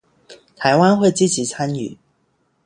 臺灣會積極參與